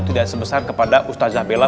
tidak sebesar kepada ustadz zabela